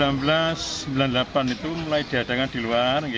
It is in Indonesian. mulai tahun seribu sembilan ratus sembilan puluh delapan itu mulai diadakan di luar